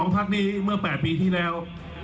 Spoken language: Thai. พักนี้เมื่อ๘ปีที่แล้ว